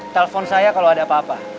telepon saya kalau ada apa apa